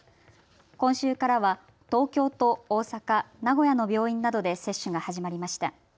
今週からは東京と大阪、名古屋の病院などで接種が始まりました。